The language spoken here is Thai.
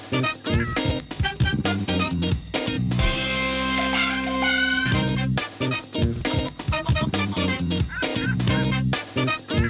สวัสดีค่ะสวัสดีค่ะ